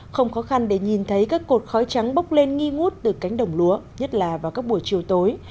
không khó khăn để nhìn thấy các cột khói trắng bốc lên nghi ngút từ cánh đồng lúa nhất là vào các buổi chiều tối